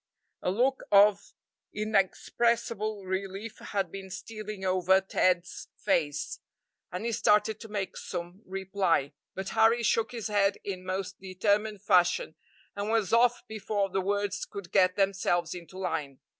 A look of inexpressible relief had been stealing over Ted's face, and he started to make some reply, but Harry shook his head in most determined fashion, and was off before the words could get themselves into line.